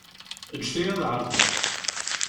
Ǧǧet-iyi ad ɛerḍeɣ.